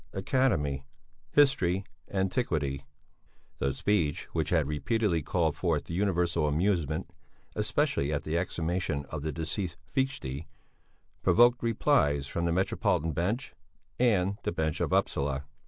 Academy. History. Antiquity. The speech which had repeatedly called forth universal amusement especially at the exhumation of the deceased Fichte, provoked replies from the Metropolitan Bench and the bench of Upsala.